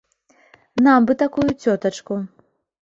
Нам бы такую цётачку!